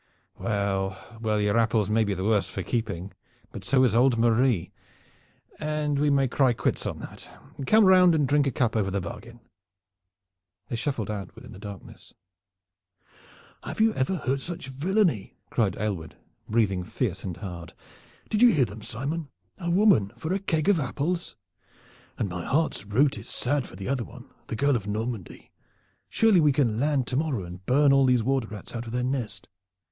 "Well, well your apples may be the worse for keeping, but so is old Marie, and we can cry quits on that. Come round and drink a cup over the bargain." They shuffled onward in the darkness. "Heard you ever such villainy?" cried Aylward, breathing fierce and hard. "Did you hear them, Simon? A woman for a keg of apples! And my heart's root is sad for the other one, the girl of Normandy. Surely we can land to morrow and burn all these water rats out of their nest."